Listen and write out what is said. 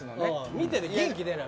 見てて元気出ない。